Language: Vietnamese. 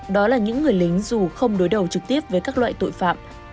đó là những người lính dù không đối đầu trực tiếp với các loại tội phạm